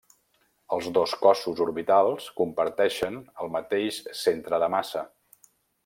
Els dos cossos orbitals comparteixen el mateix centre de massa.